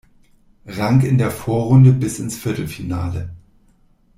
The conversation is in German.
Rang in der Vorrunde bis ins Viertelfinale.